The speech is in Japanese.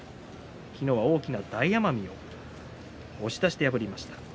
昨日も大きな大奄美を押し出して破りました。